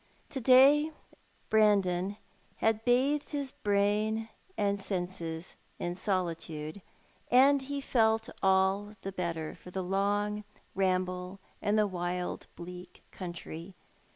To day Brandon had bathed his brain and senses in solitude, and he felt all the better for the long ramble in the wild bleak country.